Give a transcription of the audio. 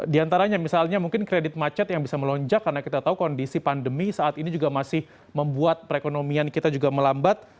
di antaranya misalnya mungkin kredit macet yang bisa melonjak karena kita tahu kondisi pandemi saat ini juga masih membuat perekonomian kita juga melambat